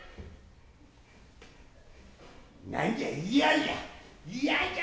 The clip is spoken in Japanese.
何じゃいやじゃ。